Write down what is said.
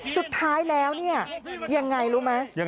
สุดท้ายแล้วยังไงรู้ไหม